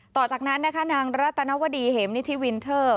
ต่อจากนั้นนะคะนางรัตนวดีเหมนิธิวินเทอร์